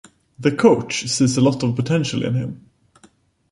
The coach sees a lot of potential in him.